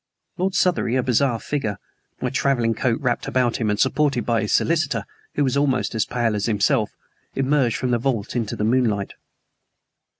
Lord Southery, a bizarre figure, my traveling coat wrapped about him, and supported by his solicitor, who was almost as pale as himself, emerged from the vault into the moonlight.